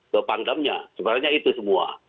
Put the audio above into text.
kepangdamnya sebenarnya itu semua